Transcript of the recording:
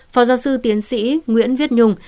phó giáo sư tiến sĩ nguyễn viết nhung